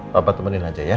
bapak temenin aja ya